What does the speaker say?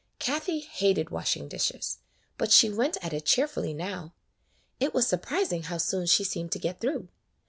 Kathie hated washing dishes, but she went at it cheerfully now. It was surprising how soon she seemed to get through.